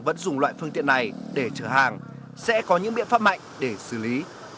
vẫn dùng loại phương tiện này để chở hàng sẽ có những biện pháp mạnh để xử lý